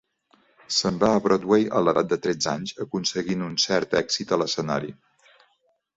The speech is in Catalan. Se'n va a Broadway a l'edat de tretze anys aconseguint un cert èxit a l'escenari.